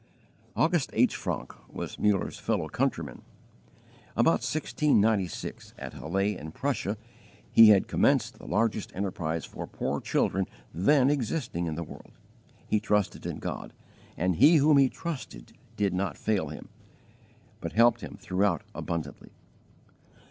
August H. Francke was Muller's fellow countryman. About 1696, at Halle in Prussia, he had commenced the largest enterprise for poor children then existing in the world. He trusted in God, and He whom he trusted did not fail him, but helped him throughout abundantly.